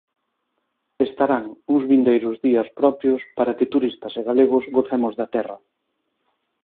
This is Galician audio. Estarán uns vindeiros días propios para que turistas e galegos gocemos da terra.